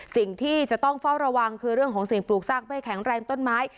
สิ่งที่จะต้องเฝ้าระวังคือเรื่องของสิ่งปลูกสร้างไม่แข็งแรงต้นไม้